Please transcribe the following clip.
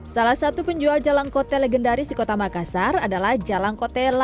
salah satu penjual jalang kote legendaris di kota makassar adalah jalang kote lasinra